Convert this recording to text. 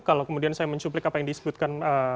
kalau kemudian saya mencuplik apa yang disebutkan